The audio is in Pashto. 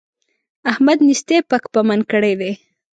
احمد نېستۍ پک پمن کړی دی.